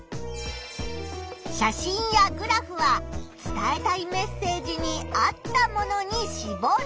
写真やグラフは伝えたいメッセージに合ったものにしぼる。